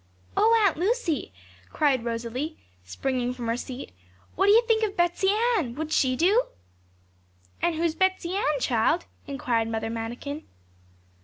'Oh, Aunt Lucy,' cried Rosalie, springing from her seat, 'what do you think of Betsey Ann? would she do?' 'And who's Betsey Ann, child?' inquired Mother Manikin.